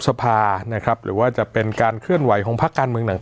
สภานะครับหรือว่าจะเป็นการเคลื่อนไหวของพักการเมืองต่าง